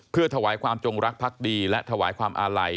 เพื่อถวายความจงรักพักดีและถวายความอาลัย